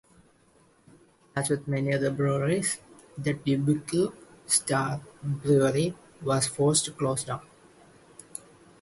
As with many other breweries, the Dubuque Star brewery was forced to close down.